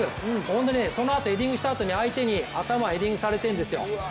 本当にそのあとヘディングしたあとに、相手に頭ヘディングされているんですよ。